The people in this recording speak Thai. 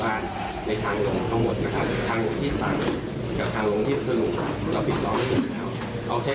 เราใช้กำลังของภาคกล้าวหลังจากโรงพยาบาลปิดล้อมทุกหมู่บ้าน